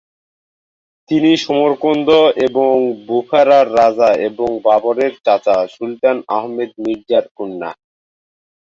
তিনি সমরকন্দ এবং বুখারার রাজা এবং বাবরের চাচা "সুলতান আহমেদ মির্জা"র কন্যা।